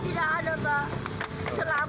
tidak ada pak